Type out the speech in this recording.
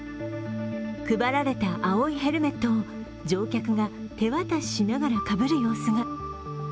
配られた青いヘルメットを乗客が手渡ししながらかぶる様子が。